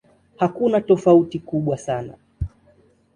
Hakuna tofauti kubwa sana.